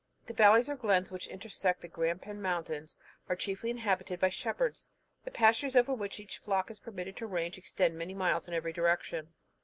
The valleys, or glens, which intersect the Grampian mountains, are chiefly inhabited by shepherds. The pastures over which each flock is permitted to range extend many miles in every direction.